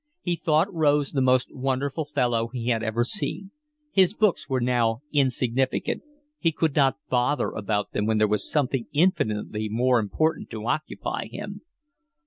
He thought Rose the most wonderful fellow he had ever seen. His books now were insignificant; he could not bother about them when there was something infinitely more important to occupy him.